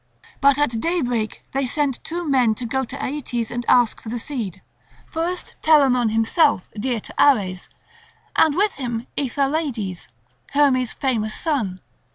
But at daybreak they sent two men to go to Aeetes and ask for the seed, first Telamon himself, dear to Ares, and with him Aethalides, Hermes' famous son.